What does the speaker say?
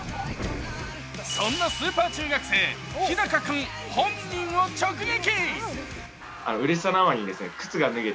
そんなスーパー中学生、日高君本人を直撃。